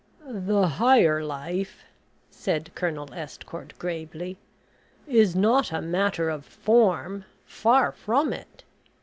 "The higher life," said Colonel Estcourt, gravely, "is not a matter of form. Far from it.